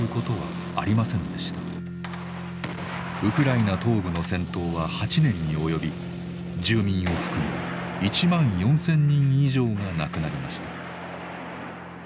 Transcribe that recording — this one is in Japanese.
ウクライナ東部の戦闘は８年に及び住民を含む１万４，０００人以上が亡くなりました。